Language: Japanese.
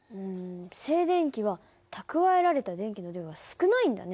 静電気は蓄えられた電気の量が少ないんだね。